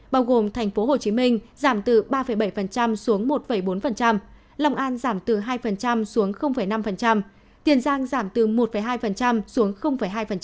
bao gồm thành phố hồ chí minh giảm từ ba bảy xuống một bốn lòng an giảm từ hai xuống năm tiền giang giảm từ một hai xuống hai